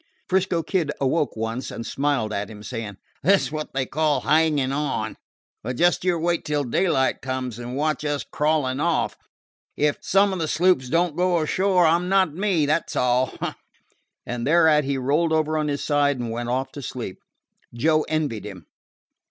'Frisco Kid awoke once, and smiled at him, saying: "This is what they call hangin' on. But just you wait till daylight comes, and watch us clawin' off. If some of the sloops don't go ashore, I 'm not me, that 's all." And thereat he rolled over on his side and was off to sleep. Joe envied him.